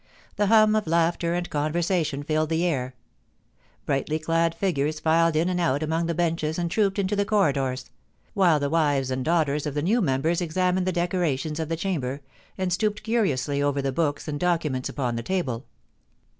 The hum of laughter and conversation filled the air. Brightly clad figures filed in and out among the benches and trooped into the corridors ; while the wives and daughters of the new members examined the decorations of the Chamber, and stooped curiously over the books and docu ments upon the table.